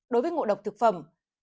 đối với ngộ độc thực phẩm